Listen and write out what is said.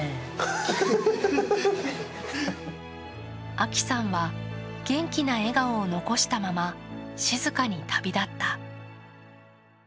あきさんは元気な笑顔を残したまま静かに旅立った。